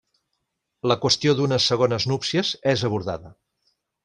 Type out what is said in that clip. La qüestió d'unes segones núpcies és abordada.